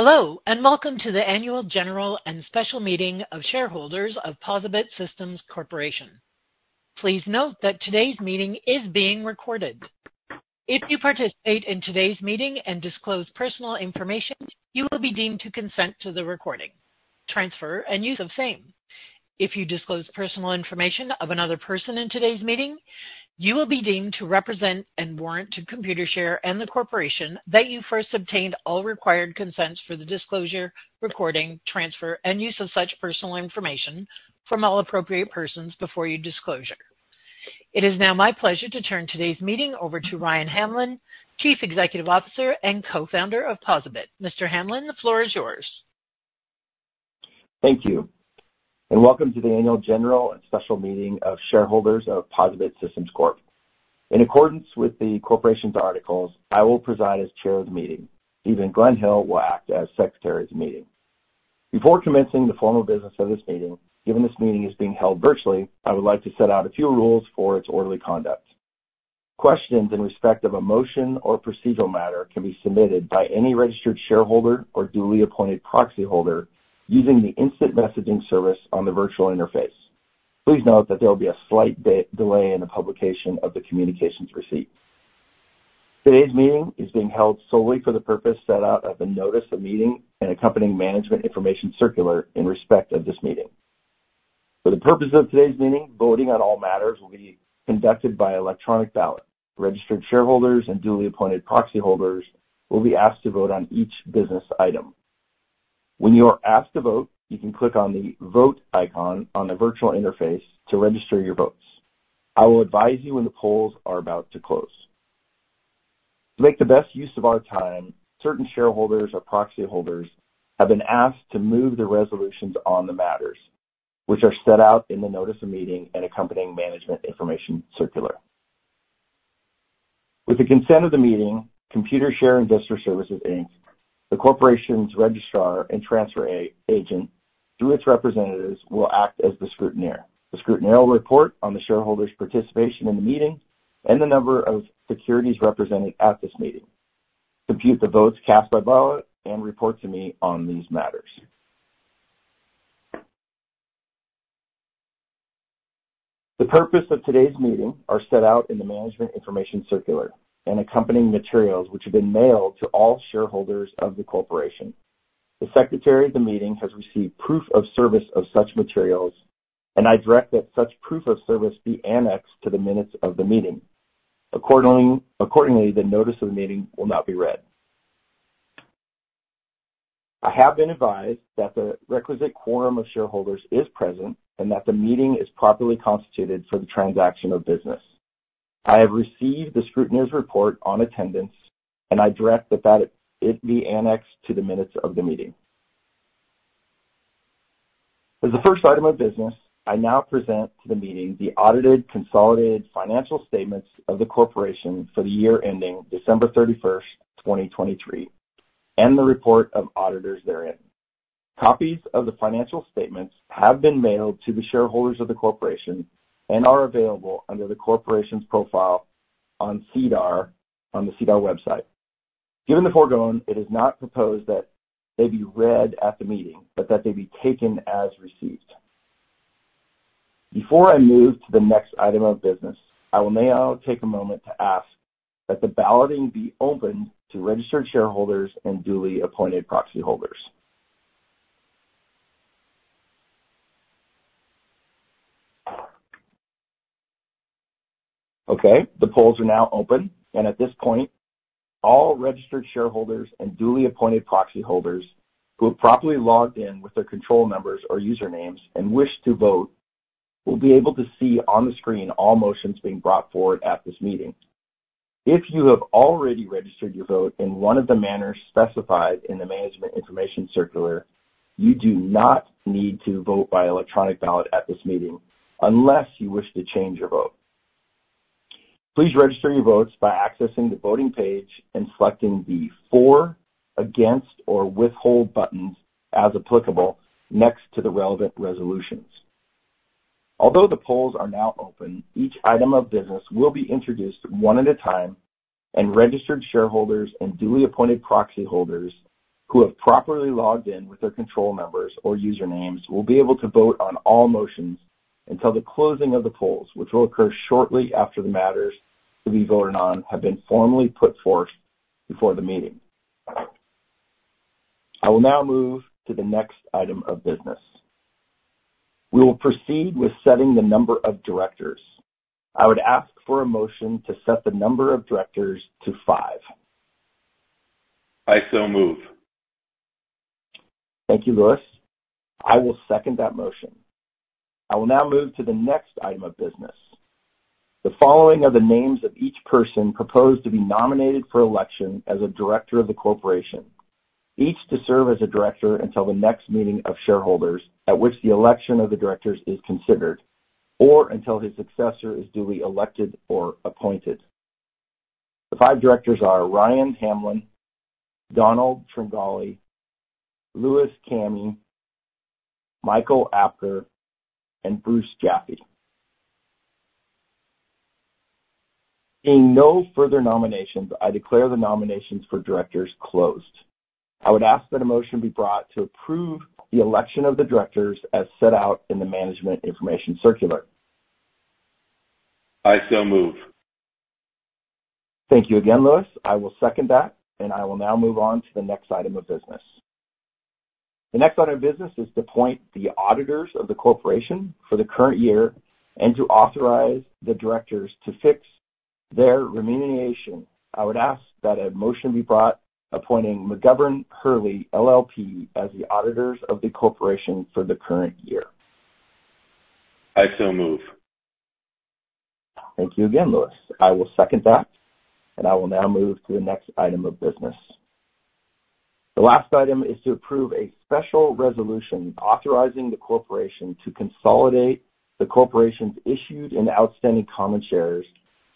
Hello, welcome to the annual general and special meeting of shareholders of POSaBIT Systems Corporation. Please note that today's meeting is being recorded. If you participate in today's meeting and disclose personal information, you will be deemed to consent to the recording, transfer, and use of same. If you disclose personal information of another person in today's meeting, you will be deemed to represent and warrant to Computershare and the corporation that you first obtained all required consents for the disclosure, recording, transfer, and use of such personal information from all appropriate persons before your disclosure. It is now my pleasure to turn today's meeting over to Ryan Hamlin, Chief Executive Officer and Co-founder of POSaBIT. Mr. Hamlin, the floor is yours. Thank you. Welcome to the annual general and special meeting of shareholders of POSaBIT Systems Corp.. In accordance with the corporation's articles, I will preside as chair of the meeting. Stephen Mark Gledhill will act as secretary of the meeting. Before commencing the formal business of this meeting, given this meeting is being held virtually, I would like to set out a few rules for its orderly conduct. Questions in respect of a motion or procedural matter can be submitted by any registered shareholder or duly appointed proxyholder using the instant messaging service on the virtual interface. Please note that there will be a slight delay in the publication of the communications receipt. Today's meeting is being held solely for the purpose set out of the notice of meeting and accompanying management information circular in respect of this meeting. For the purpose of today's meeting, voting on all matters will be conducted by electronic ballot. Registered shareholders and duly appointed proxyholders will be asked to vote on each business item. When you are asked to vote, you can click on the Vote icon on the virtual interface to register your votes. I will advise you when the polls are about to close. To make the best use of our time, certain shareholders or proxyholders have been asked to move the resolutions on the matters which are set out in the notice of meeting and accompanying management information circular. With the consent of the meeting, Computershare Investor Services, Inc., the corporation's registrar and transfer agent, through its representatives, will act as the scrutineer. The scrutineer will report on the shareholders' participation in the meeting and the number of securities represented at this meeting, compute the votes cast by ballot and report to me on these matters. The purpose of today's meeting are set out in the management information circular and accompanying materials, which have been mailed to all shareholders of the corporation. The secretary of the meeting has received proof of service of such materials, and I direct that such proof of service be annexed to the minutes of the meeting. Accordingly, the notice of the meeting will not be read. I have been advised that the requisite quorum of shareholders is present and that the meeting is properly constituted for the transaction of business. I have received the scrutineer's report on attendance, and I direct that it be annexed to the minutes of the meeting. As the first item of business, I now present to the meeting the audited consolidated financial statements of the corporation for the year ending December 31st, 2023, and the report of auditors therein. Copies of the financial statements have been mailed to the shareholders of the corporation and are available under the corporation's profile on SEDAR, on the SEDAR website. Given the foregoing, it is not proposed that they be read at the meeting, but that they be taken as received. Before I move to the next item of business, I will now take a moment to ask that the balloting be opened to registered shareholders and duly appointed proxyholders. Okay, the polls are now open, and at this point, all registered shareholders and duly appointed proxyholders who have properly logged in with their control numbers or usernames and wish to vote will be able to see on the screen all motions being brought forward at this meeting. If you have already registered your vote in one of the manners specified in the management information circular, you do not need to vote by electronic ballot at this meeting unless you wish to change your vote. Please register your votes by accessing the voting page and selecting the For, Against, or Withhold buttons as applicable next to the relevant resolutions. Although the polls are now open, each item of business will be introduced one at a time, and registered shareholders and duly appointed proxyholders who have properly logged in with their control numbers or usernames will be able to vote on all motions until the closing of the polls, which will occur shortly after the matters to be voted on have been formally put forth before the meeting. I will now move to the next item of business. We will proceed with setting the number of directors. I would ask for a motion to set the number of directors to five. I so move. Thank you, Louis. I will second that motion. I will now move to the next item of business. The following are the names of each person proposed to be nominated for election as a director of the corporation, each to serve as a director until the next meeting of shareholders at which the election of the directors is considered or until his successor is duly elected or appointed. The five directors are Ryan Hamlin, Don Tringali, Louis Camhi, Mike Apker, and Bruce Jaffe. Seeing no further nominations, I declare the nominations for directors closed. I would ask that a motion be brought to approve the election of the directors as set out in the management information circular. I so move. Thank you again, Louis. I will second that, and I will now move on to the next item of business. The next item of business is to appoint the auditors of the corporation for the current year and to authorize the directors to fix their remuneration. I would ask that a motion be brought appointing McGovern Hurley LLP as the auditors of the corporation for the current year. I so move. Thank you again, Louis. I will second that, and I will now move to the next item of business. The last item is to approve a special resolution authorizing the corporation to consolidate the corporation's issued and outstanding common shares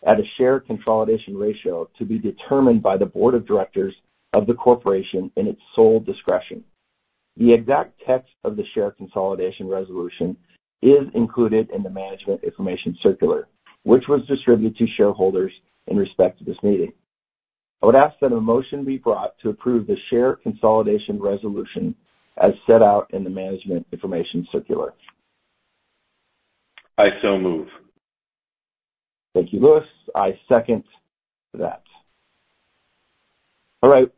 at a share consolidation ratio to be determined by the Board of Directors of the corporation in its sole discretion. The exact text of the share consolidation resolution is included in the management information circular, which was distributed to shareholders in respect to this meeting. I would ask that a motion be brought to approve the share consolidation resolution as set out in the management information circular. I so move. Thank you, Louis. I second that. All right.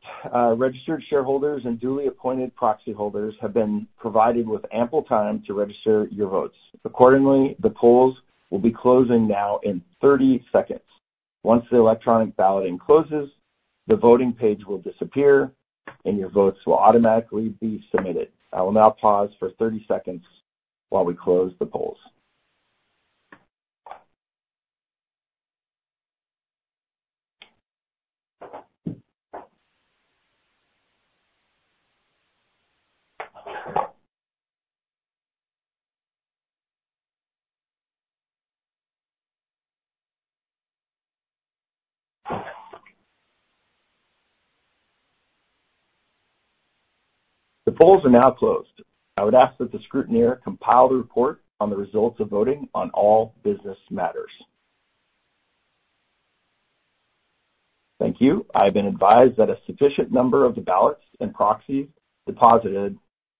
Registered shareholders and duly appointed proxy holders have been provided with ample time to register your votes. Accordingly, the polls will be closing now in 30 seconds. Once the electronic balloting closes, the voting page will disappear and your votes will automatically be submitted. I will now pause for 30 seconds while we close the polls. The polls are now closed. I would ask that the scrutineer compile the report on the results of voting on all business matters. Thank you. I have been advised that a sufficient number of the ballots and proxies deposited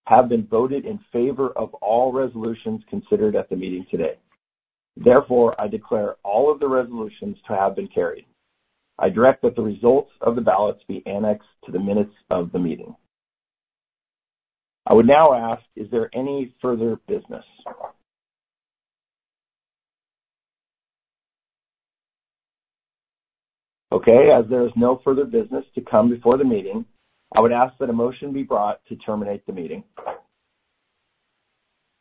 have been voted in favor of all resolutions considered at the meeting today. Therefore, I declare all of the resolutions to have been carried. I direct that the results of the ballots be annexed to the minutes of the meeting. I would now ask, is there any further business? Okay. As there is no further business to come before the meeting, I would ask that a motion be brought to terminate the meeting.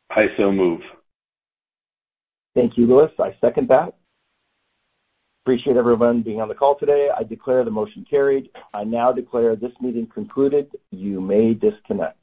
I so move. Thank you, Louis. I second that. Appreciate everyone being on the call today. I declare the motion carried. I now declare this meeting concluded. You may disconnect.